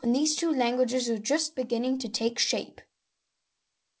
when those two languages were just beginning to take shape.